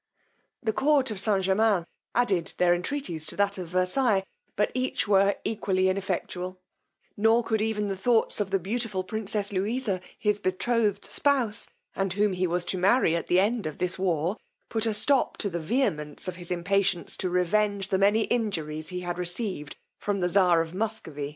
The court of St. Germains added their entreaties to that of Versailles, but each were equally ineffectual; nor could even the thoughts of the beautiful princess Louisa, his betrothed spouse, and whom he was to marry at the end of this war, put a stop to the vehemence of his impatience to revenge the many injuries he had received from the czar of Muscovy.